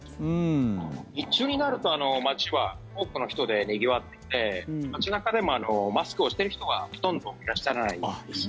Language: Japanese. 日中になると街は多くの人でにぎわって街中でも、マスクをしている人はほとんどいらっしゃらないです。